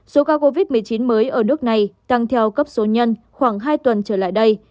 số ca covid một mươi chín mới ở nước này tăng theo cấp số nhân khoảng hai tuần trở lại đây